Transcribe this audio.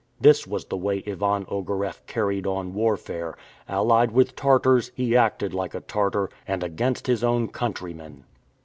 This was the way Ivan Ogareff carried on warfare! Allied with Tartars, he acted like a Tartar, and against his own countrymen!